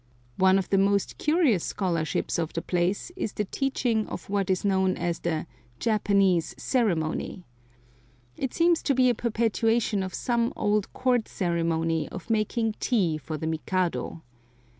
One of the most curious scholarships of the place is the teaching of what is known as the "Japanese ceremony." It seems to be a perpetuation of some old court ceremony of making tea for the Mikado.